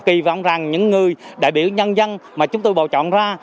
kỳ vọng rằng những người đại biểu nhân dân mà chúng tôi bầu chọn ra